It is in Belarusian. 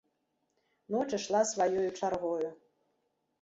Ноч ішла сваёю чаргою.